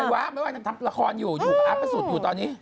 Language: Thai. บ๊าไม่ว่าทำละครอยู่อยู่งั้นสุดอยู่ตอนนี้